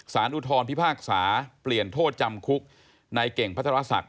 อุทธรพิพากษาเปลี่ยนโทษจำคุกในเก่งพัทรศักดิ